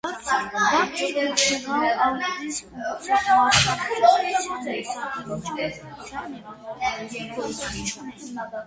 Բարձր ֆունկցիոնալ աուտիզմ ունեցող մարդկանց աջակցության եզակի միջամտության եղանակ գոյություն չունի։